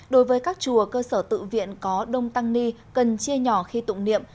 đối với các chùa cơ sở tự viện có đông tăng ni cần chia nhỏ khi tụng niệm